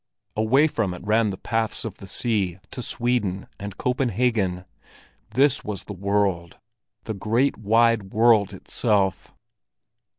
Away from it ran the paths of the sea to Sweden and Copenhagen! This was the world— the great wide world itself!